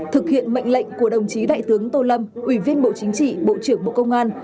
thực hiện mệnh lệnh của đồng chí đại tướng tô lâm ủy viên bộ chính trị bộ trưởng bộ công an